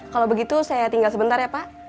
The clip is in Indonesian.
kalau begitu saya tinggal sebentar ya pak